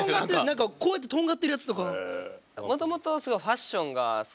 こうやってとんがってるやつとか。